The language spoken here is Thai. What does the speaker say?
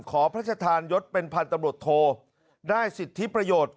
ขอพระชะทานยดเป็นพันตำรวจโทรได้สิทธิประโยชน์